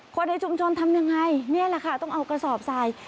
คนในชุมชนทำยังไงนี่แหละค่ะต้องเอากระสอบใส่